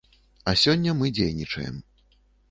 А сёння мы дзейнічаем.